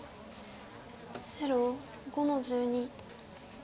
白５の十二。